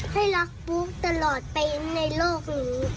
ให้รักปุ๊กตลอดไปในโลกนี้